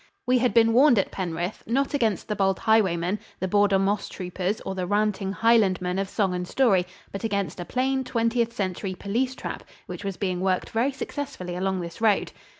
We had been warned at Penrith, not against the bold highwaymen, the border moss troopers or the ranting Highlandmen of song and story, but against a plain, Twentieth Century police trap which was being worked very successfully along this road.